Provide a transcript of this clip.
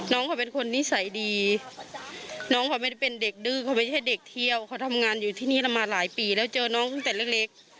น้องเขาเป็นคนนิสัยดีน้องเขาไม่ได้เป็นเด็กดื้อเขาไม่ใช่เด็กเที่ยวเขาทำงานอยู่ที่นี่เรามาหลายปีแล้วเจอน้องตั้งแต่เล็ก